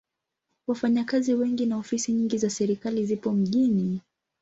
Wafanyakazi wengi na ofisi nyingi za serikali zipo mjini.